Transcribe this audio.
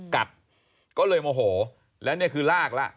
กัดก็เลยโมโหแล้วเนี่ยคือลากแล้ว